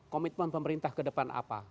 komitmen pemerintah ke depan apa